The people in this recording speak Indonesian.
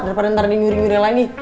daripada ntar di nyuri nyuri lagi